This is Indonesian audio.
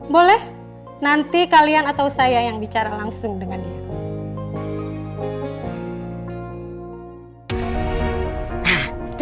boleh nanti kalian atau saya yang bicara langsung dengan ibu